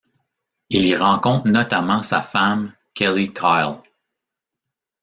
Il y rencontre notamment sa femme, Kellie Kyle...